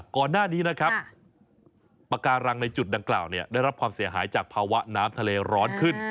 ก่อนหน้านี้นะครับปากการังในจุดดังกล่าวได้รับความเสียหายจากภาวะน้ำทะเลร้อนขึ้น